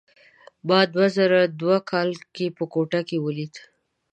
ما دوه زره دوه کال کې په کوټه کې ولید.